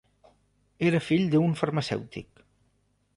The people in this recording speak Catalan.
Era fill d'un farmacèutic.